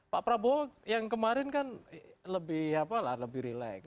pak prabowo yang kemarin kan lebih relax